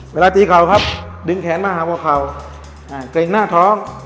เวลาดีเข่าครับดึงแขนมาหัวเข่าอ่าเกรงหน้าท้อง